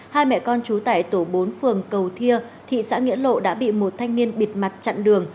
hai mẹ con trú tại tổ bốn phường cầu thia thị xã nghĩa lộ đã bị một thanh niên bịt mặt chặn đường